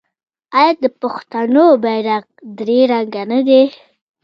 آیا د پښتنو بیرغ درې رنګه نه دی؟